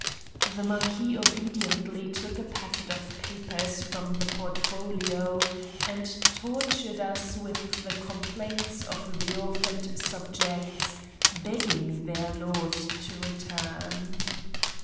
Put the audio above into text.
181 Satan's Diary The Marquis obediently took a packet of papers from the portfolio and tortured us with the com plaints of the orphaned subjects, begging their lord to return.